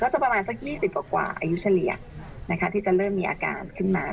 จะประมาณสัก๒๐กว่าอายุเฉลี่ยที่จะเริ่มมีอาการขึ้นมา